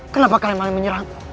kenapa kalian malah menyerangku